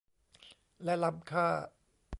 และล้ำค่า